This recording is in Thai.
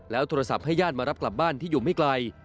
โทรศัพท์ให้ญาติมารับกลับบ้านที่อยู่ไม่ไกล